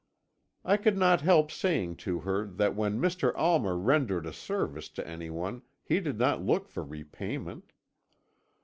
"I could not help saying to her then that when Mr. Almer rendered a service to anyone he did not look for repayment.